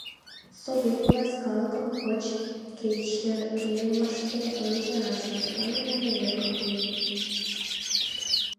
Совет власть калыкым пыч-кемыште ынеж ашне, садлан мыланна эрыкым пуэн.